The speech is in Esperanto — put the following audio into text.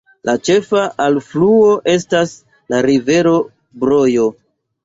La ĉefa alfluo estas la rivero Brojo.